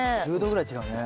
１０℃ぐらい違うね。